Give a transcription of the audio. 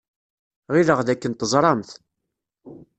Ɣileɣ dakken teẓramt.